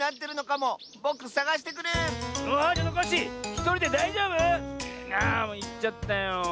もういっちゃったよ。